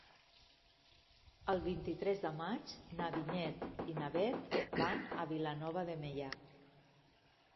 El vint-i-tres de maig na Vinyet i na Bet van a Vilanova de Meià.